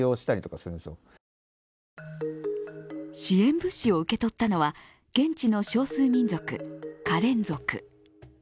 支援物資を受け取ったのは現地の少数民族、カレン族。